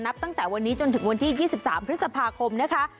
ตั้งแต่วันนี้จนถึงวันที่๒๓พฤษภาคมนะคะ